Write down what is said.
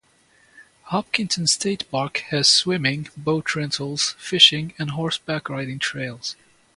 Hopkinton State Park has swimming, boat rentals, fishing and horseback riding trails.